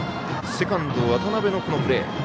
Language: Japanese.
セカンド、渡辺のこのプレー。